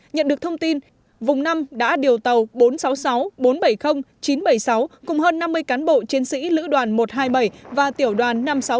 nhận được thông tin vùng năm đã điều tàu bốn trăm sáu mươi sáu bốn trăm bảy mươi chín trăm bảy mươi sáu cùng hơn năm mươi cán bộ chiến sĩ lữ đoàn một trăm hai mươi bảy và tiểu đoàn năm trăm sáu mươi tám